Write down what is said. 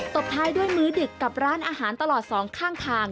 ตบท้ายด้วยมือดึกกับร้านอาหารตลอด๒ข้าง